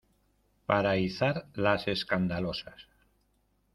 para izar las escandalosas.